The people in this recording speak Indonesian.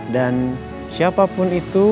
dan siapapun itu